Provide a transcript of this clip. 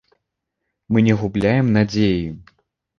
Мы не губляем надзеі.